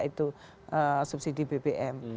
yaitu subsidi bbm